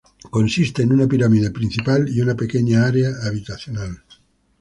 Consiste en una pirámide principal y una pequeña área habitacional.